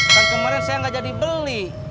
kan kemarin saya nggak jadi beli